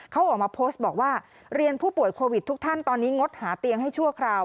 เขาออกมาโพสต์บอกว่าเรียนผู้ป่วยโควิดทุกท่านตอนนี้งดหาเตียงให้ชั่วคราว